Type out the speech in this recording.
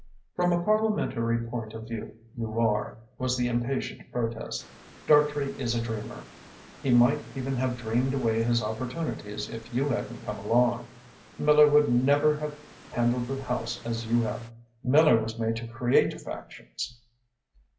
"From a parliamentary point of view you are," was the impatient protest. "Dartrey is a dreamer. He might even have dreamed away his opportunities if you hadn't come along. Miller would never have handled the House as you have. Miller was made to create factions.